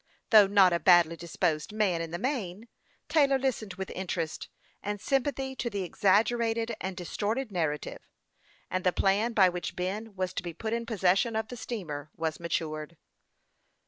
Though not a badly disposed man in the main, Taylor listened with in terest and sympathy to the exaggerated and distorted narrative, and the plan by which Ben was to be put in possession of the steamer was matured.